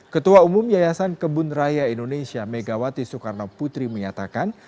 ketua umum yayasan kebun raya indonesia megawati soekarno putri menyatakan